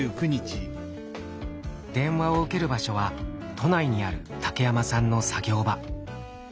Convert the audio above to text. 電話を受ける場所は都内にある竹山さんの作業場。